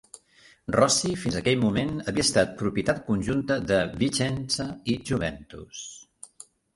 Rossi fins aquell moment havia estat propietat conjunta de Vicenza i Juventus.